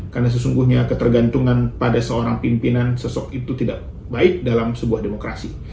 karena sesungguhnya ketergantungan pada seorang pimpinan sesok itu tidak baik dalam sebuah demokrasi